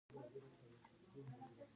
آیا د ایران تقویم هجري شمسي نه دی؟